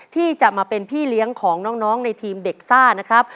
ที่จะมาเป็นพี่เลี้ยงของน้องในทีมเด็กซ่านะครับ